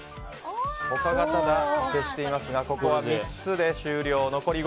他が接していますがここは３つで終了。